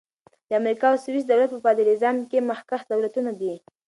د امریکا او سویس دولت په فدرالیزم کښي مخکښ دولتونه دي.